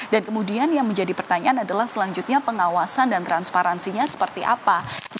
dan kemudian yang menjadi pertanyaan adalah selanjutnya pengawasan dan transparansinya seperti apa